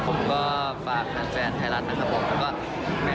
ผมก็ฝากแฟนไทยรัฐนะครับผม